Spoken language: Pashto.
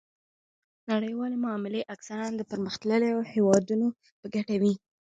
نړیوالې معاملې اکثراً د پرمختللو هیوادونو په ګټه وي